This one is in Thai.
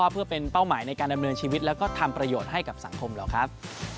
เพื่อเป็นเป้าหมายในการดำเนินชีวิตแล้วก็ทำประโยชน์ให้กับสังคมเราครับ